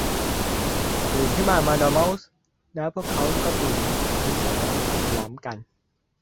'ตื่นขึ้นมาดอร์เม้าส์ !' แล้วพวกเขาก็บีบมันทั้งสองด้านพร้อมกัน